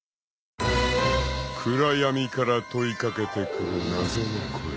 ［暗闇から問い掛けてくる謎の声］